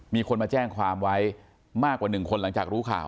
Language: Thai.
มีคนมาแจ้งความไว้มากกว่า๑คนหลังจากรู้ข่าว